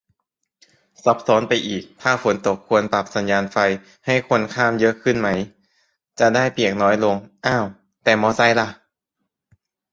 ซับซ้อนไปอีก ถ้าฝนตก ควรปรับสัญญานไฟให้คนข้ามเยอะขึ้นไหม จะได้เปียกน้อยลง อ้าว แต่มอไซค์ล่ะ